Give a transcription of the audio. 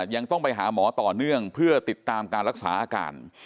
ยังต้องไปหาหมอต่อเนื่องเพื่อติดตามการรักษาอาการ